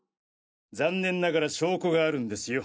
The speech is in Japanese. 残念ながら証拠があるんですよ